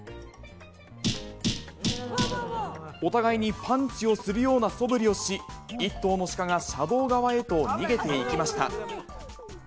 お互いにパンチをするようなそぶりをし、１頭の鹿が車道側へと逃げていきました。